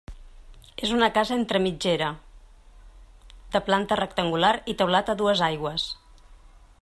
És una casa entre mitgera, de planta rectangular i teulat a dues aigües.